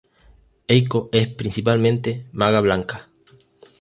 Eiko es principalmente Maga Blanca.